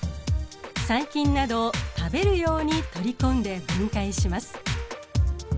細菌などを食べるように取り込んで分解します。